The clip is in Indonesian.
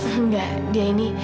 enggak dia ini